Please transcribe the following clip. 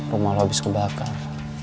rumah lo habis kebakar